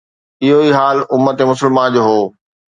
اهو ئي حال امت مسلمه جو هو.